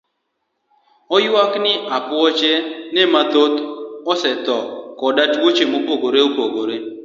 Oywak ni apuoche ne mathoth osetho koda tuoche mopogore opogore.